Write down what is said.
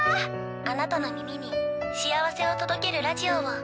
あなたの耳に幸せを届けるラジオを。